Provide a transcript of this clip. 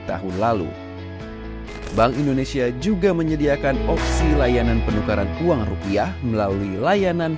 tahun lalu bank indonesia juga menyediakan opsi layanan penukaran uang rupiah melalui layanan